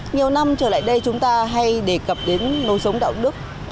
nhiều năm trở lại đây chúng ta hay đề cập đến nối sống đạo đức